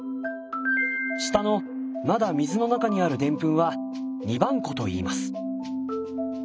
下のまだ水の中にあるデンプンは「二番粉」といいます。